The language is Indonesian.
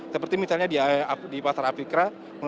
seperti misalnya di pasar afrikra